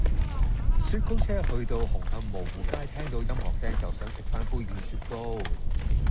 雪糕車去到紅磡蕪湖街聽到音樂聲就想食返杯軟雪糕